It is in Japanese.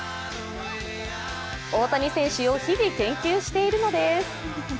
大谷選手を日々研究しているのです。